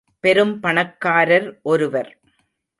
பெரும் பணக்காரர் ஒருவர்.